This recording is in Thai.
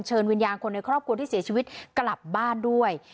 วิญญาณคนในครอบครัวที่เสียชีวิตกลับบ้านด้วย